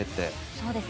そうですね。